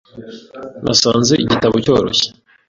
Nasanze igitabo cyoroshye .